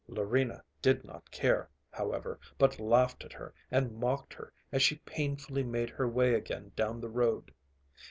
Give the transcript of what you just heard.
Larina did not care, however, but laughed at her and mocked her as she painfully made her way again down the road.